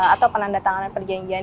atau penandatanganan perjanjian